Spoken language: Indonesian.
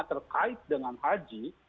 terkait dengan haji